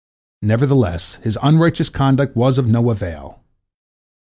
Nevertheless his unrighteous conduct was of no avail.